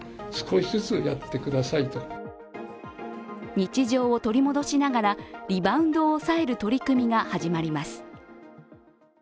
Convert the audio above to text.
日常を取り戻しながらリバウンドを抑える取り組みが始まります。